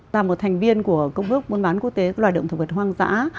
là một thành viên của công ước buôn bán quốc tế loài động thực vật hoang dã